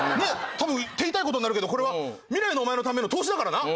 多分手痛い事になるけどこれは未来のお前のための投資だからな。